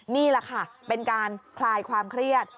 นี่แหละค่ะเป็นการคลายความเครียด